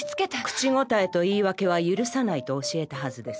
口答えと言い訳は許さないと教えたはずです。